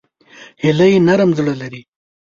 هیلۍ نرم زړه لري